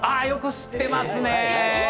よく知ってますね。